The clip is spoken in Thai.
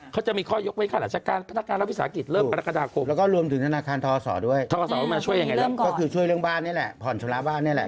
ก็คือช่วยเรื่องบ้านนี่แหละผ่อนชุมระบ้านนี่แหละ